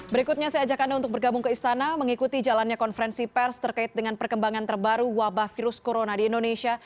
berikutnya saya ajak anda untuk bergabung ke istana mengikuti jalannya konferensi pers terkait dengan perkembangan terbaru wabah virus corona di indonesia